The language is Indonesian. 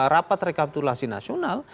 rapat rekapitulasi nasional